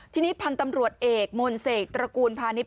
ทีนี้พันธุ์ตำรวจเอกมนเสกตระกูลพาณิช